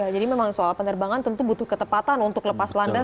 jadi memang soal penerbangan tentu butuh ketepatan untuk lepas landas